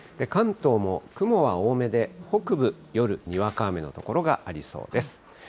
関東も雲は多めで、北部、夜にわか雨の所がありそうです。